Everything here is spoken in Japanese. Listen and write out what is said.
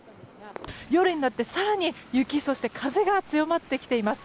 夜になって更に雪、そして風が強まってきています。